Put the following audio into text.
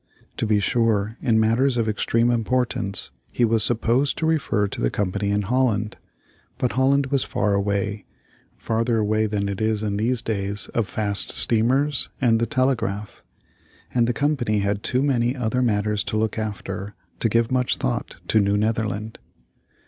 To be sure, in matters of extreme importance he was supposed to refer to the Company in Holland. But Holland was far away, farther away than it is in these days of fast steamers and the telegraph, and the Company had too many other matters to look after to give much thought to New Netherland.